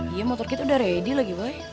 iya motor kita udah ready lagi boy